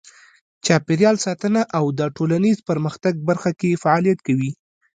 چاپیریال ساتنه او د ټولنیز پرمختګ برخه کې فعالیت کوي.